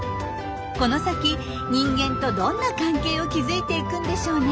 この先人間とどんな関係を築いていくんでしょうね。